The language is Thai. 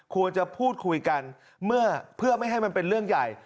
ควรจะพูดคุยกันเพื่อไม่ให้มันเป็นเรื่องใหญ่